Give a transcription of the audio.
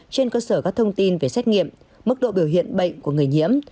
trên cơ sở các thông tin về xét nghiệm mức độ biểu hiện bệnh của người nhiễm